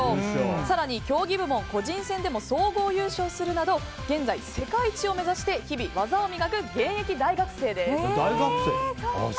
更に、競技部門個人戦でも総合優勝するなど現在、世界一を目指して日々、技を磨く現役大学生です。